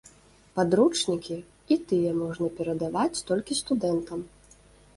Падручнікі, і тыя можна перадаваць толькі студэнтам.